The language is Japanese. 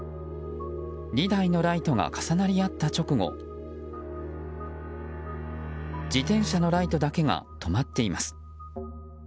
２台のライトが重なり合った直後自転車のライトだけが止まっています。